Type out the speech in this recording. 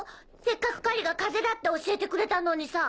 せっかくカリが風だって教えてくれたのにさ。